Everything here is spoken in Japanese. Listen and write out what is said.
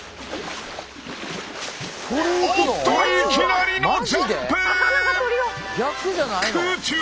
おっといきなりのジャンプー！